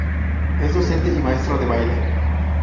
Es docente y maestro de baile.